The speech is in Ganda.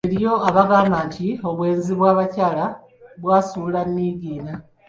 Eriyo abagamba nti n’obwenzi bw’abakyala bwasuula Niigiina.